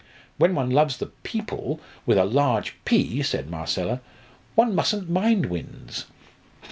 "When one loves the 'People,' with a large P," said Marcella, "one mustn't mind winds."